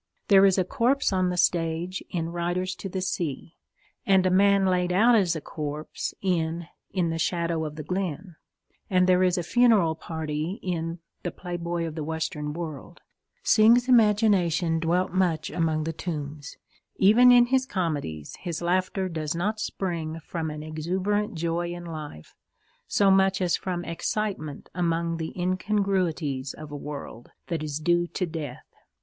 There is a corpse on the stage in Riders to the Sea, and a man laid out as a corpse in In the Shadow of the Glen, and there is a funeral party in The Playboy of the Western World. Synge's imagination dwelt much among the tombs. Even in his comedies, his laughter does not spring from an exuberant joy in life so much as from excitement among the incongruities of a world that is due to death.